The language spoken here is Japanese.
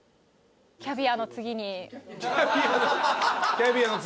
キャビアの。